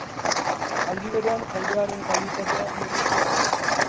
Aldi berean, airearen kalitatea murriztu egin da.